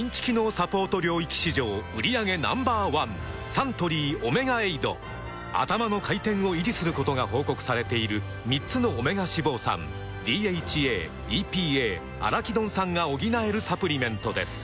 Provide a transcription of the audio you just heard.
サントリー「オメガエイド」「アタマの回転」を維持することが報告されている３つのオメガ脂肪酸ＤＨＡ・ＥＰＡ・アラキドン酸が補えるサプリメントです